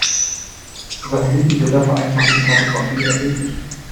Satellitenbilder vereinfachten die Kartographie erheblich.